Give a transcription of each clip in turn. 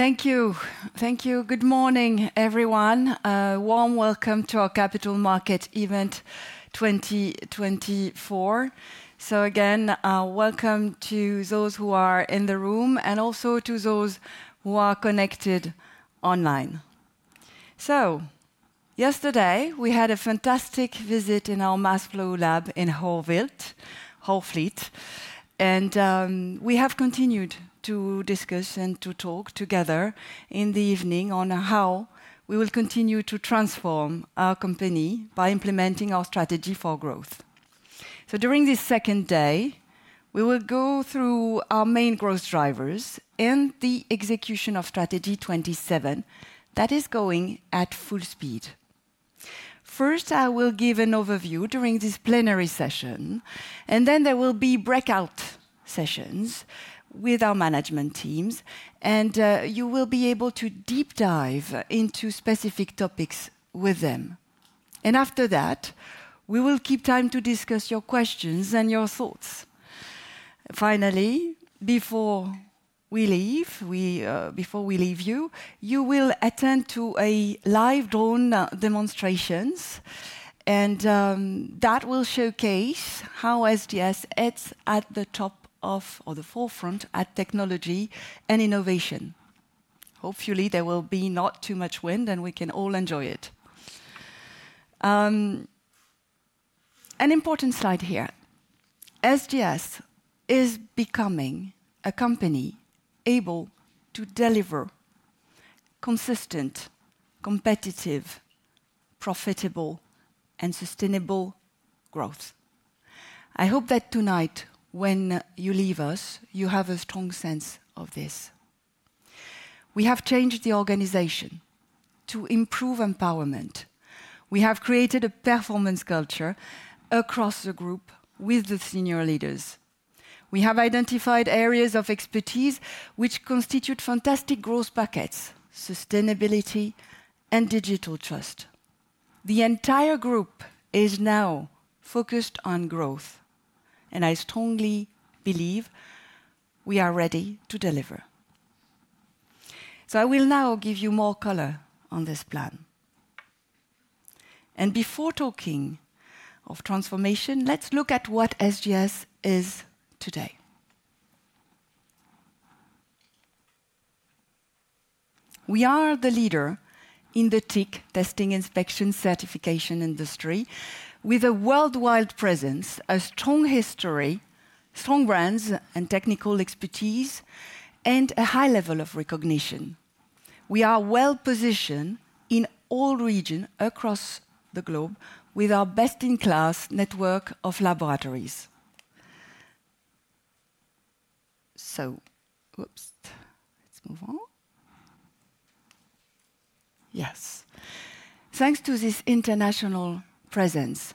Thank you. Thank you. Good morning, everyone. Warm welcome to our Capital Markets Event 2024, so again, welcome to those who are in the room and also to those who are connected online, so yesterday we had a fantastic visit in our MassLab in Geneva, and we have continued to discuss and to talk together in the evening on how we will continue to transform our company by implementing our strategy for growth, so during this second day, we will go through our main growth drivers and the execution of Strategy 27 that is going at full speed. First, I will give an overview during this plenary session, and then there will be breakout sessions with our management teams, and you will be able to deep dive into specific topics with them, and after that, we will keep time to discuss your questions and your thoughts. Finally, before we leave you, you will attend to a live drone demonstrations, and that will showcase how SGS is at the top of, or the forefront of technology and innovation. Hopefully, there will be not too much wind and we can all enjoy it. An important slide here. SGS is becoming a company able to deliver consistent, competitive, profitable, and sustainable growth. I hope that tonight, when you leave us, you have a strong sense of this. We have changed the organization to improve empowerment. We have created a performance culture across the group with the senior leaders. We have identified areas of expertise which constitute fantastic growth pockets, sustainability, and digital trust. The entire group is now focused on growth, and I strongly believe we are ready to deliver. So I will now give you more color on this plan. Before talking of transformation, let's look at what SGS is today. We are the leader in the testing, inspection, and certification industry with a worldwide presence, a strong history, strong brands, and technical expertise, and a high level of recognition. We are well positioned in all regions across the globe with our best-in-class network of laboratories. Thanks to this international presence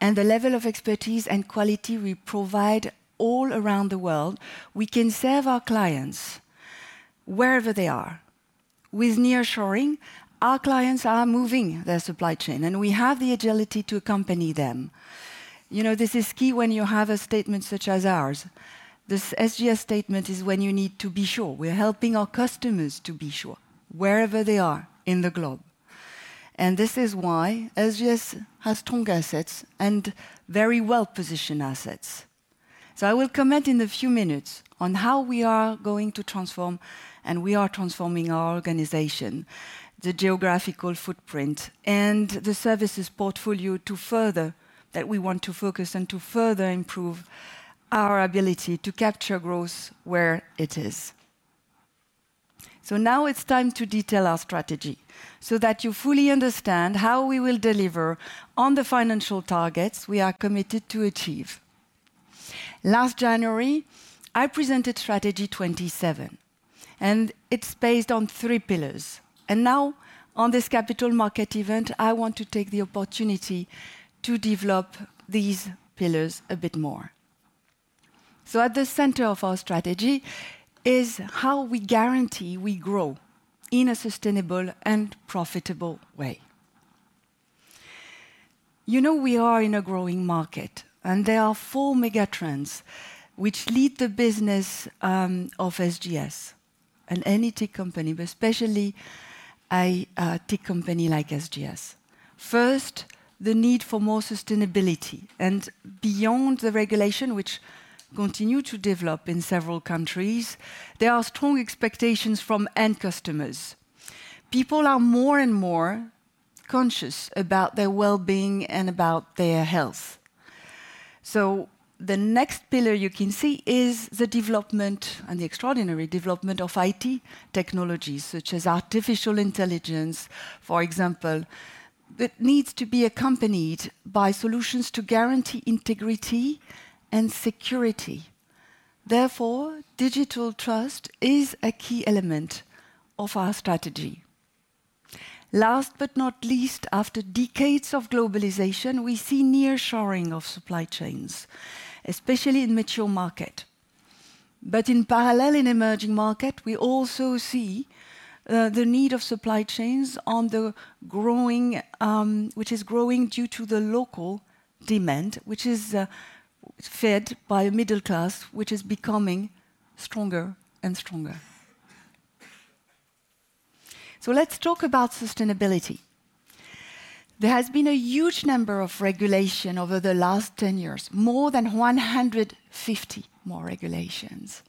and the level of expertise and quality we provide all around the world, we can serve our clients wherever they are. With nearshoring, our clients are moving their supply chain, and we have the agility to accompany them. You know, this is key when you have a statement such as ours. This SGS statement is when you need to be sure. We're helping our customers to be sure wherever they are around the globe. This is why SGS has strong assets and very well-positioned assets. I will comment in a few minutes on how we are going to transform, and we are transforming our organization, the geographical footprint, and the services portfolio to further that we want to focus and to further improve our ability to capture growth where it is. Now it's time to detail our strategy so that you fully understand how we will deliver on the financial targets we are committed to achieve. Last January, I presented Strategy 27, and it's based on three pillars. Now, on this Capital Market Event, I want to take the opportunity to develop these pillars a bit more. At the center of our strategy is how we guarantee we grow in a sustainable and profitable way. You know, we are in a growing market, and there are four megatrends which lead the business of SGS and any tech company, but especially a tech company like SGS. First, the need for more sustainability and beyond the regulation, which continue to develop in several countries. There are strong expectations from end customers. People are more and more conscious about their well-being and about their health. So the next pillar you can see is the development and the extraordinary development of IT technologies such as artificial intelligence, for example, that needs to be accompanied by solutions to guarantee integrity and security. Therefore, digital trust is a key element of our strategy. Last but not least, after decades of globalization, we see nearshoring of supply chains, especially in mature markets. But in parallel, in emerging markets, we also see the need of supply chains on the growing, which is growing due to the local demand, which is fed by a middle class, which is becoming stronger and stronger. So let's talk about sustainability. There has been a huge number of regulations over the last 10 years, more than 150 more regulations.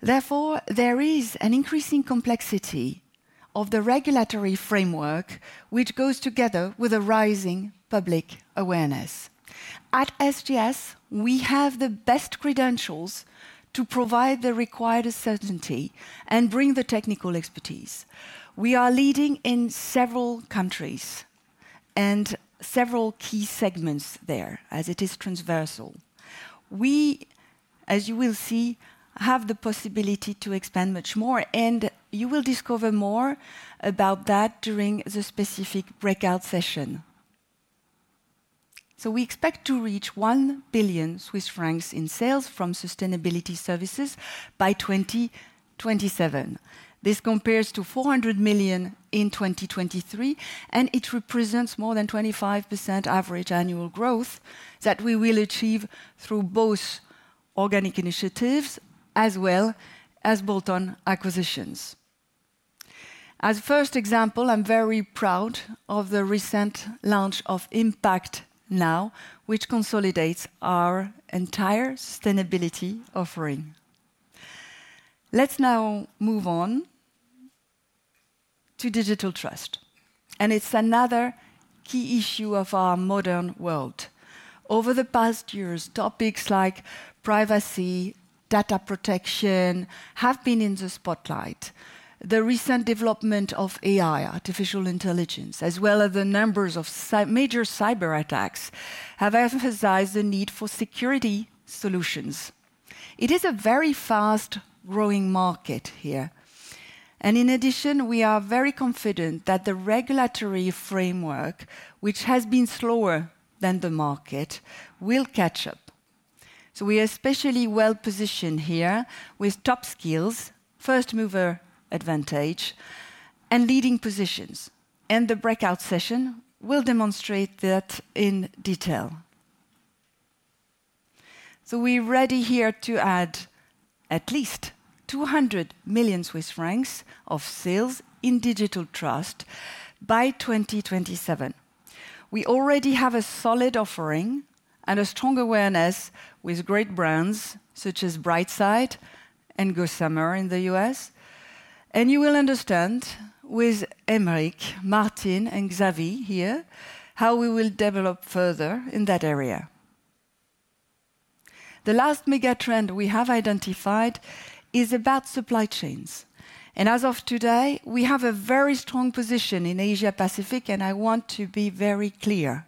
Therefore, there is an increasing complexity of the regulatory framework, which goes together with a rising public awareness. At SGS, we have the best credentials to provide the required certainty and bring the technical expertise. We are leading in several countries and several key segments there, as it is transversal. We, as you will see, have the possibility to expand much more, and you will discover more about that during the specific breakout session. So we expect to reach 1 billion Swiss francs in sales from sustainability services by 2027. This compares to 400 million in 2023, and it represents more than 25% average annual growth that we will achieve through both organic initiatives as well as bolt-on acquisitions. As a first example, I'm very proud of the recent launch of Impact Now, which consolidates our entire sustainability offering. Let's now move on to digital trust, and it's another key issue of our modern world. Over the past years, topics like privacy, data protection have been in the spotlight. The recent development of AI, artificial intelligence, as well as the numbers of major cyberattacks have emphasized the need for security solutions. It is a very fast-growing market here. And in addition, we are very confident that the regulatory framework, which has been slower than the market, will catch up. So we are especially well-positioned here with top skills, first-mover advantage, and leading positions. And the breakout session will demonstrate that in detail. So we're ready here to add at least 200 million Swiss francs of sales in digital trust by 2027. We already have a solid offering and a strong awareness with great brands such as Brightsight and Gossamer in the U.S. And you will understand with Aymeric, Martin, and Xavi here how we will develop further in that area. The last megatrend we have identified is about supply chains. And as of today, we have a very strong position in Asia-Pacific, and I want to be very clear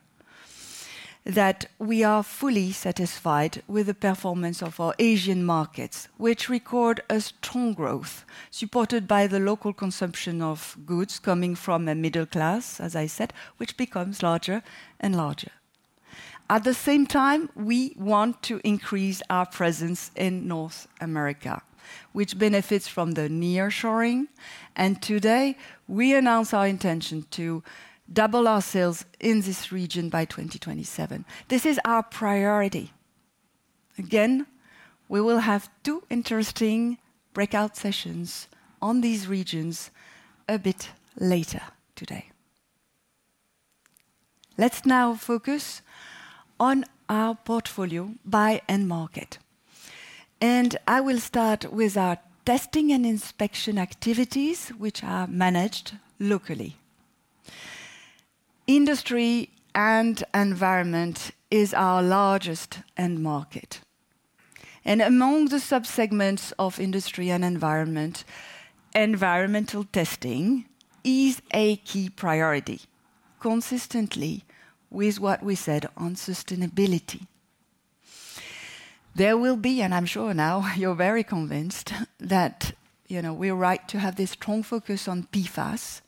that we are fully satisfied with the performance of our Asian markets, which record a strong growth supported by the local consumption of goods coming from a middle class, as I said, which becomes larger and larger. At the same time, we want to increase our presence in North America, which benefits from the nearshoring, and today, we announced our intention to double our sales in this region by 2027. This is our priority. Again, we will have two interesting breakout sessions on these regions a bit later today. Let's now focus on our portfolio by end market, and I will start with our Testing and Inspection activities, which are managed locally. Industry and Environment is our largest end market, and among the subsegments of Industry and Environment, environmental testing is a key priority, consistent with what we said on sustainability. There will be, and I'm sure now you're very convinced that, you know, we're right to have this strong focus on PFAS,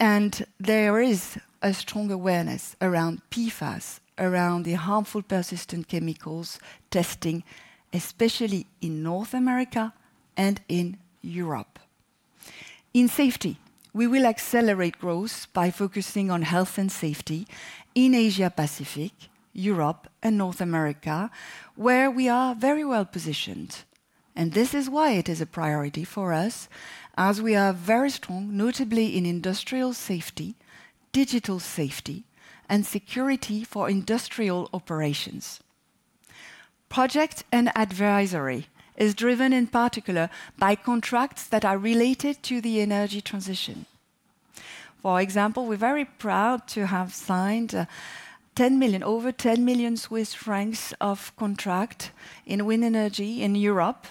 and there is a strong awareness around PFAS, around the harmful persistent chemicals testing, especially in North America and in Europe. In safety, we will accelerate growth by focusing on health and safety in Asia-Pacific, Europe, and North America, where we are very well positioned, and this is why it is a priority for us, as we are very strong, notably in industrial safety, digital safety, and security for industrial operations. Project and advisory is driven in particular by contracts that are related to the energy transition. For example, we're very proud to have signed over 10 million Swiss francs of contract in wind energy in Europe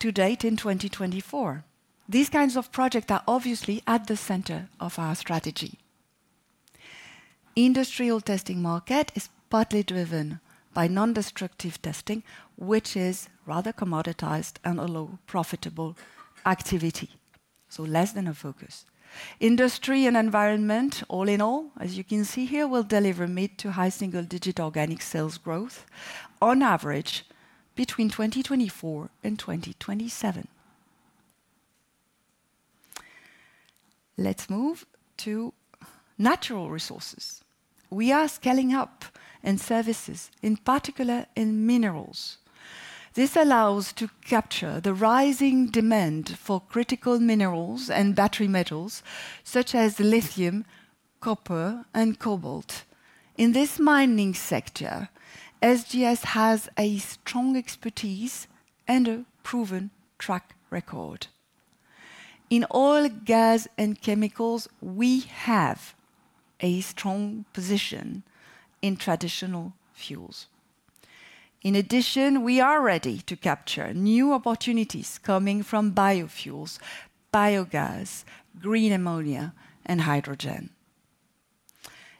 to date in 2024. These kinds of projects are obviously at the center of our strategy. Industrial testing market is partly driven by non-destructive testing, which is rather commoditized and a low-profitable activity, so less than a focus. Industry and Environment, all in all, as you can see here, will deliver mid- to high single-digit organic sales growth on average between 2024 and 2027. Let's move to Natural Resources. We are scaling up in services, in particular in minerals. This allows us to capture the rising demand for critical minerals and battery metals such as lithium, copper, and cobalt. In this mining sector, SGS has a strong expertise and a proven track record. In oil, gas, and chemicals, we have a strong position in traditional fuels. In addition, we are ready to capture new opportunities coming from biofuels, biogas, green ammonia, and hydrogen.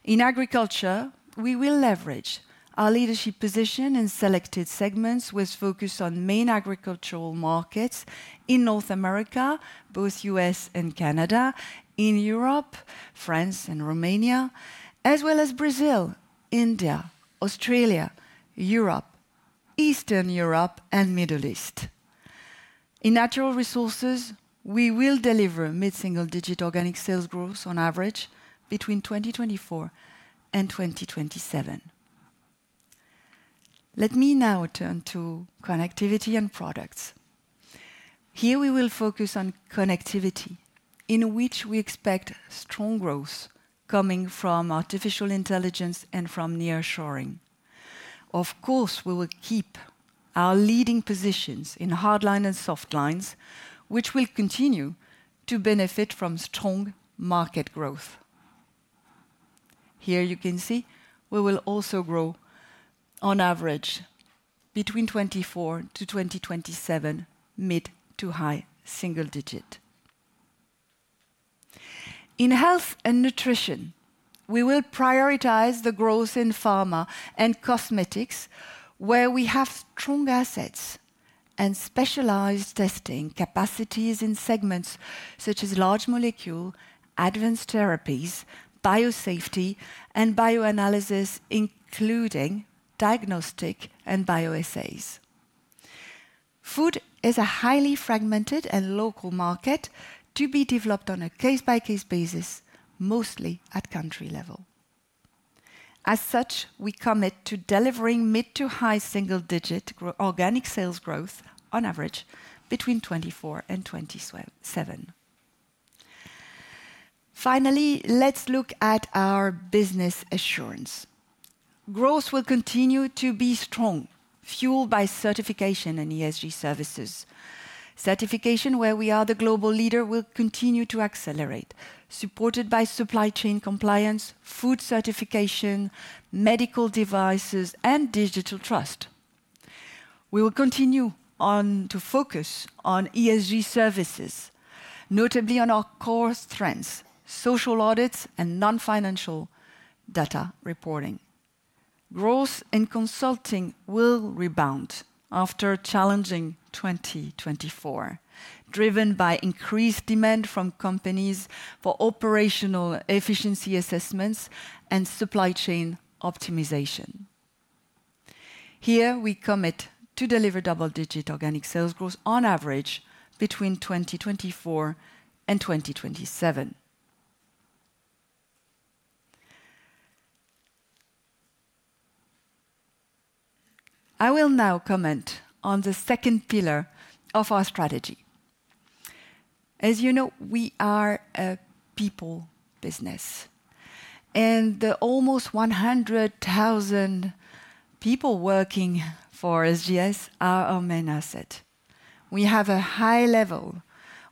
In agriculture, we will leverage our leadership position in selected segments with focus on main agricultural markets in North America, both U.S. and Canada, in Europe, France and Romania, as well as Brazil, India, Australia, Europe, Eastern Europe, and Middle East. In Natural Resources, we will deliver mid-single-digit organic sales growth on average between 2024 and 2027. Let me now turn to Connectivity and Products. Here we will focus on connectivity, in which we expect strong growth coming from artificial intelligence and from nearshoring. Of course, we will keep our leading positions in Hardlines and Softlines, which will continue to benefit from strong market growth. Here you can see we will also grow on average between 2024 to 2027, mid to high single-digit. In Health and Nutrition, we will prioritize the growth in pharma and cosmetics, where we have strong assets and specialized testing capacities in segments such as large molecule, advanced therapies, biosafety, and bioanalysis, including diagnostic and bioassays. Food is a highly fragmented and local market to be developed on a case-by-case basis, mostly at country level. As such, we commit to delivering mid to high single-digit organic sales growth on average between 2024 and 2027. Finally, let's look at our Business Assurance. Growth will continue to be strong, fueled by certification and ESG services. Certification, where we are the global leader, will continue to accelerate, supported by supply chain compliance, food certification, medical devices, and digital trust. We will continue to focus on ESG services, notably on our core strengths, social audits, and non-financial data reporting. Growth in consulting will rebound after challenging 2024, driven by increased demand from companies for operational efficiency assessments and supply chain optimization. Here, we commit to deliver double-digit organic sales growth on average between 2024 and 2027. I will now comment on the second pillar of our strategy. As you know, we are a people business, and the almost 100,000 people working for SGS are our main asset. We have a high level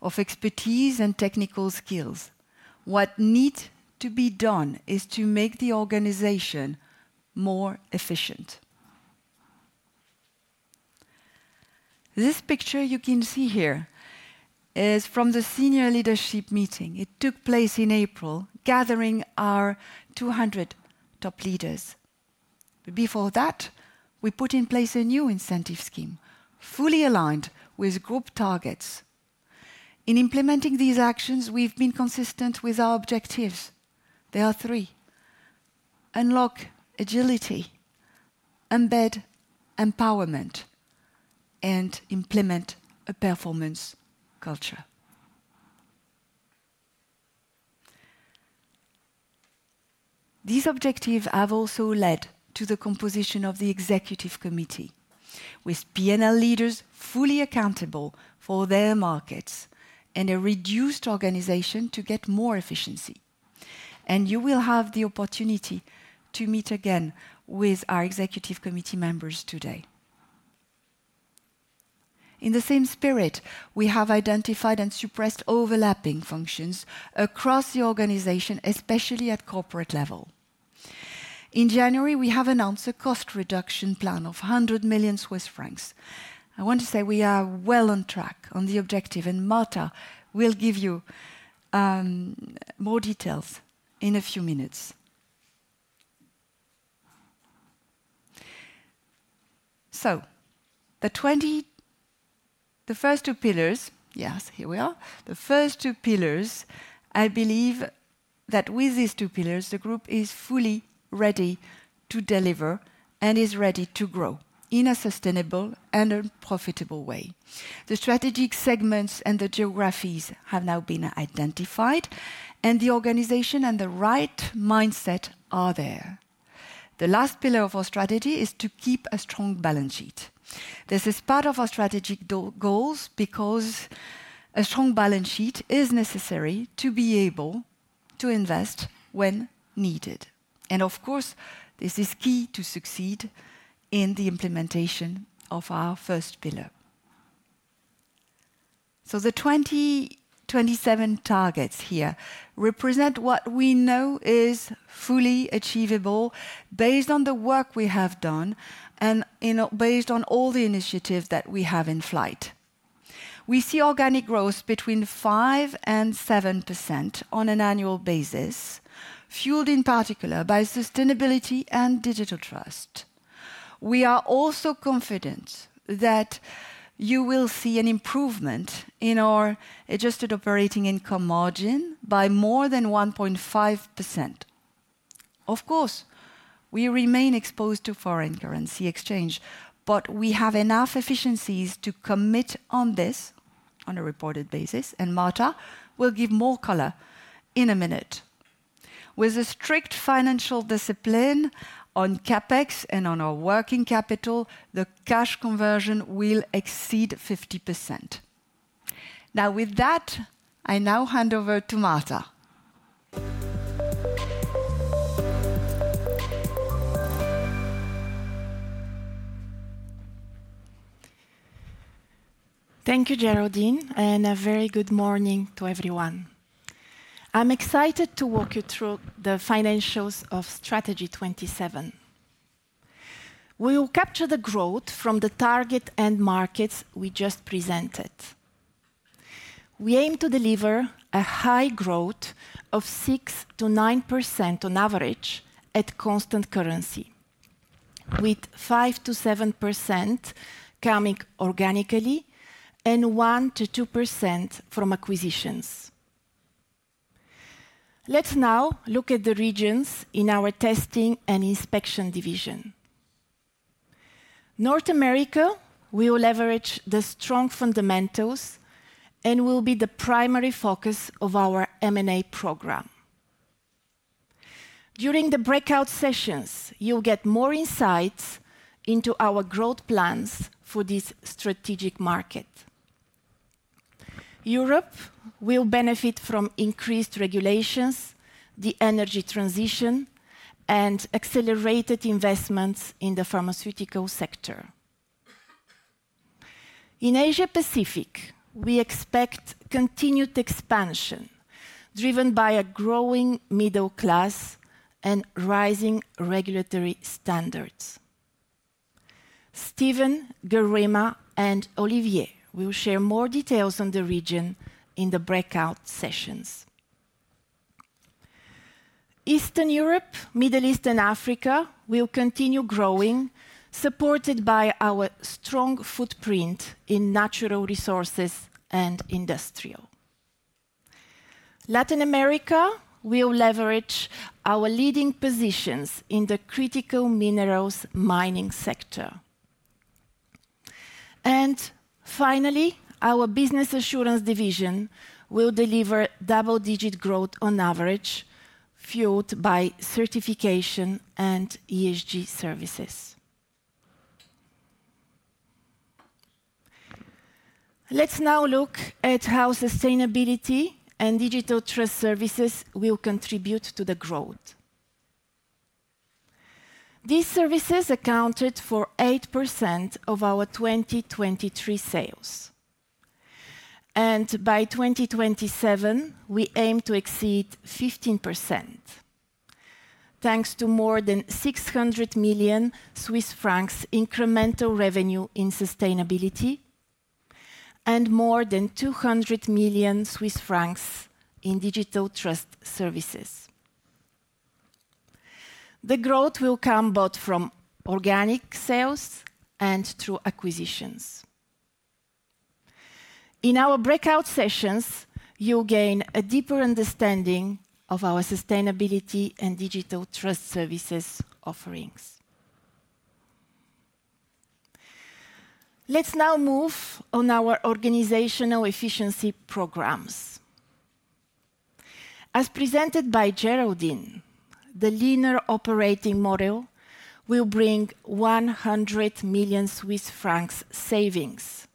of expertise and technical skills. What needs to be done is to make the organization more efficient. This picture you can see here is from the senior leadership meeting. It took place in April, gathering our 200 top leaders, but before that, we put in place a new incentive scheme, fully aligned with group targets. In implementing these actions, we've been consistent with our objectives. There are three: unlock agility, embed empowerment, and implement a performance culture. These objectives have also led to the composition of the executive committee, with P&L leaders fully accountable for their markets and a reduced organization to get more efficiency, and you will have the opportunity to meet again with our executive committee members today. In the same spirit, we have identified and suppressed overlapping functions across the organization, especially at corporate level. In January, we have announced a cost reduction plan of 100 million Swiss francs. I want to say we are well on track on the objective, and Marta will give you more details in a few minutes. So the first two pillars, yes, here we are, the first two pillars. I believe that with these two pillars, the group is fully ready to deliver and is ready to grow in a sustainable and a profitable way. The strategic segments and the geographies have now been identified, and the organization and the right mindset are there. The last pillar of our strategy is to keep a strong balance sheet. This is part of our strategic goals because a strong balance sheet is necessary to be able to invest when needed, and of course, this is key to succeed in the implementation of our first pillar. So the 2027 targets here represent what we know is fully achievable based on the work we have done and based on all the initiatives that we have in flight. We see organic growth between 5% and 7% on an annual basis, fueled in particular by sustainability and digital trust. We are also confident that you will see an improvement in our adjusted operating income margin by more than 1.5%. Of course, we remain exposed to foreign currency exchange, but we have enough efficiencies to commit on this on a reported basis, and Marta will give more color in a minute. With a strict financial discipline on CapEx and on our working capital, the cash conversion will exceed 50%. Now with that, I now hand over to Marta. Thank you, Geraldine, and a very good morning to everyone. I'm excited to walk you through the financials of Strategy 27. We will capture the growth from the target end markets we just presented. We aim to deliver a high growth of 6%-9% on average at constant currency, with 5%-7% coming organically and 1%-2% from acquisitions. Let's now look at the regions in our Testing and Inspection division. North America will leverage the strong fundamentals and will be the primary focus of our M&A program. During the breakout sessions, you'll get more insights into our growth plans for this strategic market. Europe will benefit from increased regulations, the energy transition, and accelerated investments in the pharmaceutical sector. In Asia-Pacific, we expect continued expansion driven by a growing middle class and rising regulatory standards. Steven, Geraldine, and Olivier will share more details on the region in the breakout sessions. Eastern Europe, Middle East, and Africa will continue growing, supported by our strong footprint in natural resources and industrial. Latin America will leverage our leading positions in the critical minerals mining sector. And finally, our Business Assurance division will deliver double-digit growth on average, fueled by certification and ESG services. Let's now look at how sustainability and digital trust services will contribute to the growth. These services accounted for 8% of our 2023 sales. And by 2027, we aim to exceed 15%, thanks to more than 600 million Swiss francs incremental revenue in sustainability and more than 200 million Swiss francs in digital trust services. The growth will come both from organic sales and through acquisitions. In our breakout sessions, you'll gain a deeper understanding of our sustainability and digital trust services offerings. Let's now move on our organizational efficiency programs. As presented by Geraldine, the leaner operating model will bring 100 million Swiss francs savings,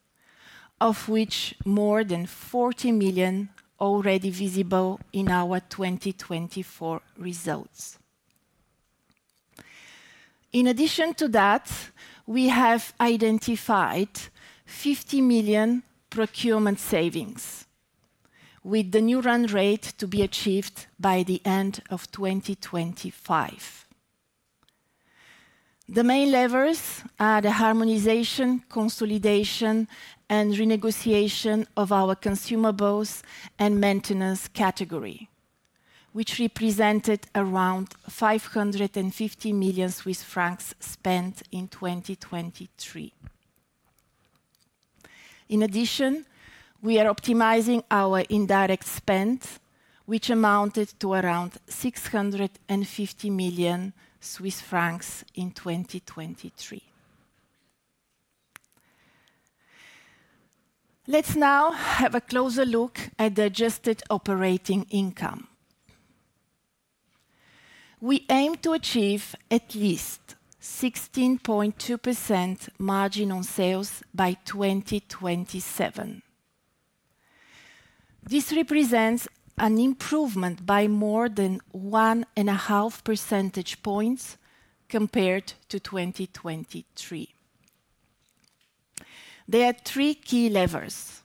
of which more than 40 million are already visible in our 2024 results. In addition to that, we have identified 50 million procurement savings, with the new run rate to be achieved by the end of 2025. The main levers are the harmonization, consolidation, and renegotiation of our consumables and maintenance category, which represented around 550 million Swiss francs spent in 2023. In addition, we are optimizing our indirect spend, which amounted to around 650 million Swiss francs in 2023. Let's now have a closer look at the Adjusted Operating Income. We aim to achieve at least 16.2% margin on sales by 2027. This represents an improvement by more than one and a half percentage points compared to 2023. There are three key levers.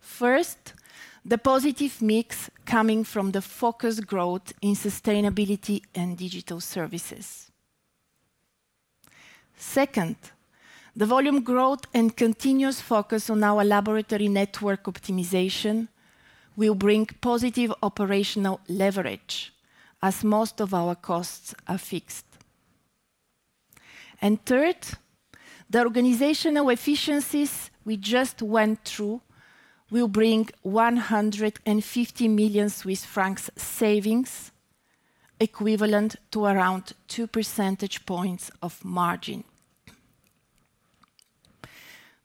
First, the positive mix coming from the focus growth in sustainability and digital services. Second, the volume growth and continuous focus on our laboratory network optimization will bring positive operational leverage, as most of our costs are fixed. And third, the organizational efficiencies we just went through will bring 150 million Swiss francs savings, equivalent to around two percentage points of margin.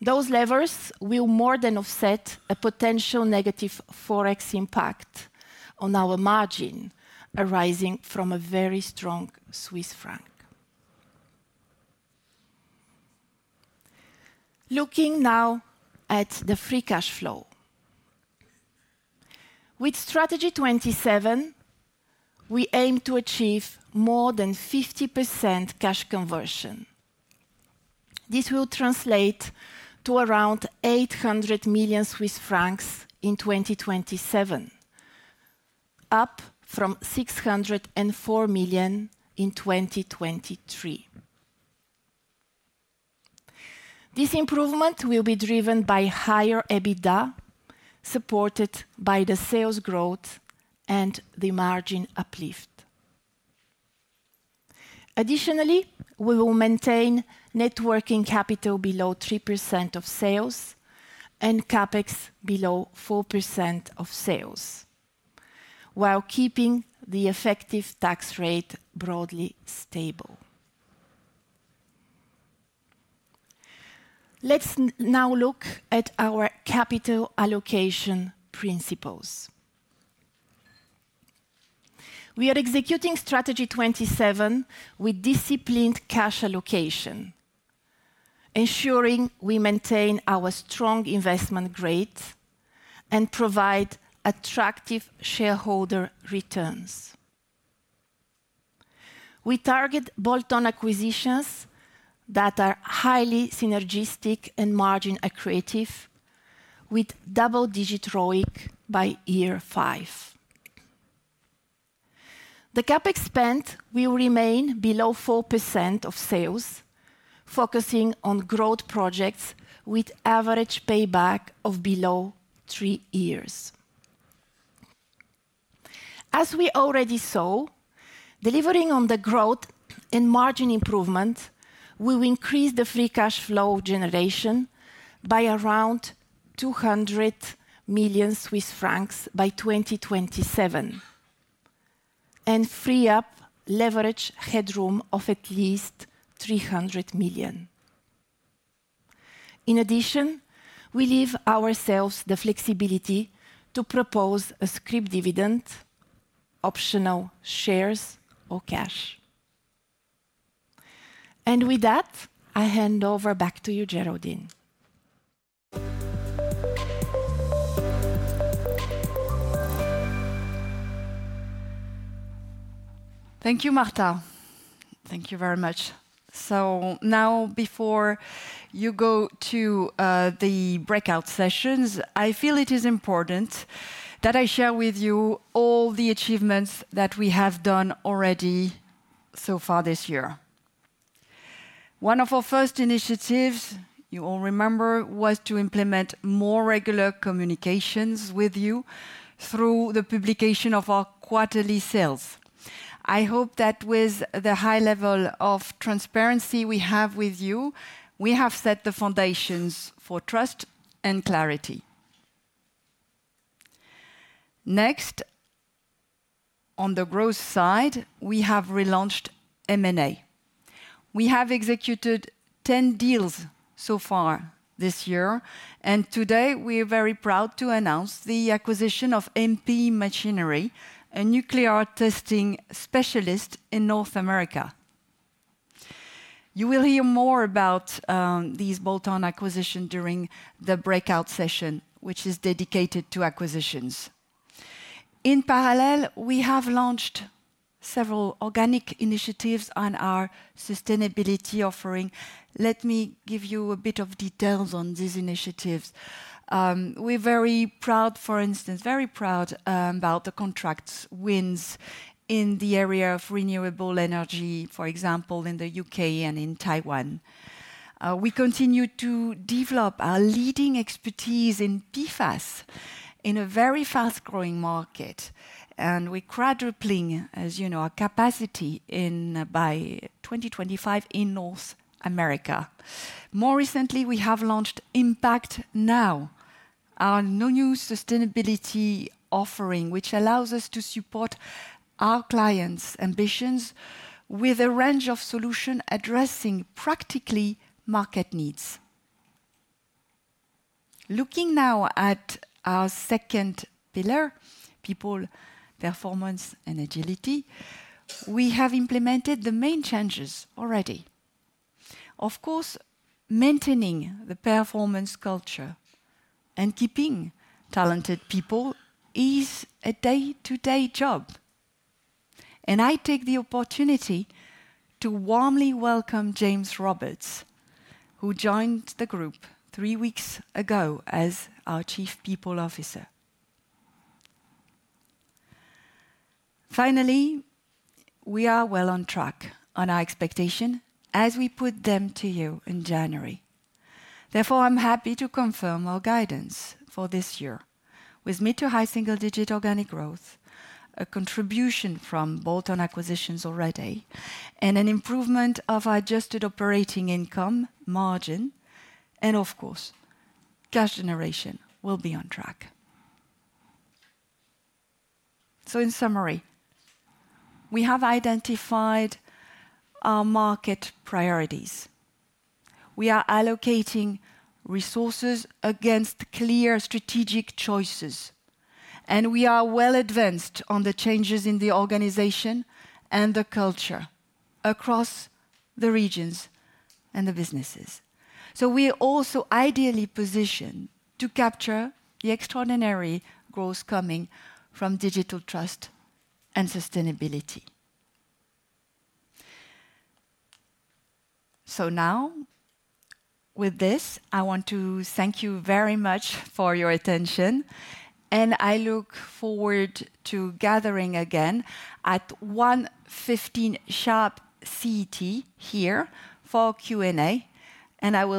Those levers will more than offset a potential negative forex impact on our margin arising from a very strong Swiss franc. Looking now at the free cash flow. With Strategy 27, we aim to achieve more than 50% cash conversion. This will translate to around 800 million Swiss francs in 2027, up from 604 million in 2023. This improvement will be driven by higher EBITDA, supported by the sales growth and the margin uplift. Additionally, we will maintain net working capital below 3% of sales and CapEx below 4% of sales, while keeping the effective tax rate broadly stable. Let's now look at our capital allocation principles. We are executing Strategy 27 with disciplined cash allocation, ensuring we maintain our strong investment grade and provide attractive shareholder returns. We target bolt-on acquisitions that are highly synergistic and margin accretive, with double-digit ROIC by year five. The CapEx spend will remain below 4% of sales, focusing on growth projects with average payback of below three years. As we already saw, delivering on the growth and margin improvement, we will increase the free cash flow generation by around 200 million Swiss francs by 2027 and free up leverage headroom of at least 300 million. In addition, we leave ourselves the flexibility to propose a scrip dividend, optional shares, or cash. With that, I hand over back to you, Geraldine. Thank you, Marta. Thank you very much. Now, before you go to the breakout sessions, I feel it is important that I share with you all the achievements that we have done already so far this year. One of our first initiatives, you all remember, was to implement more regular communications with you through the publication of our quarterly sales. I hope that with the high level of transparency we have with you, we have set the foundations for trust and clarity. Next, on the growth side, we have relaunched M&A. We have executed 10 deals so far this year, and today we are very proud to announce the acquisition of MP Machinery, a nuclear testing specialist in North America. You will hear more about these bolt-on acquisitions during the breakout session, which is dedicated to acquisitions. In parallel, we have launched several organic initiatives on our sustainability offering. Let me give you a bit of details on these initiatives. We're very proud, for instance, very proud about the contract wins in the area of renewable energy, for example, in the U.K. and in Taiwan. We continue to develop our leading expertise in PFAS in a very fast-growing market, and we are quadrupling, as you know, our capacity by 2025 in North America. More recently, we have launched Impact Now, our new sustainability offering, which allows us to support our clients' ambitions with a range of solutions addressing practical market needs. Looking now at our second pillar, people, performance, and agility, we have implemented the main changes already. Of course, maintaining the performance culture and keeping talented people is a day-to-day job. I take the opportunity to warmly welcome James Roberts, who joined the group three weeks ago as our Chief People Officer. Finally, we are well on track on our expectations as we put them to you in January. Therefore, I'm happy to confirm our guidance for this year with mid to high single-digit organic growth, a contribution from bolt-on acquisitions already, and an improvement of our Adjusted Operating Income margin. Of course, cash generation will be on track. In summary, we have identified our market priorities. We are allocating resources against clear strategic choices, and we are well advanced on the changes in the organization and the culture across the regions and the businesses. We are also ideally positioned to capture the extraordinary growth coming from Digital Trust and sustainability. So now, with this, I want to thank you very much for your attention, and I look forward to gathering again at 1:15 P.M. sharp CET here for Q&A, and I will.